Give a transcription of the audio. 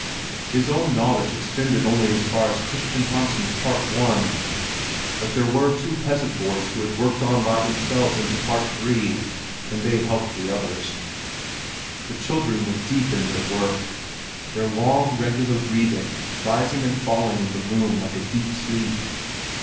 His own knowledge extended only as far as Christian Hansen's Part I.; but there were two peasant boys who had worked on by themselves into Part III., and they helped the others. The children were deep in their work, their long, regular breathing rising and falling in the room like a deep sleep.